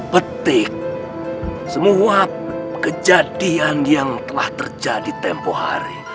petik semua kejadian yang telah terjadi tempoh hari